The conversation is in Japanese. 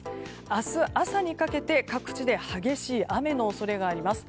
明日朝にかけて、各地で激しい雨の恐れがあります。